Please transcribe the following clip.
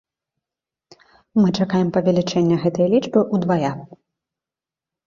Мы чакаем павелічэння гэтай лічбы ўдвая.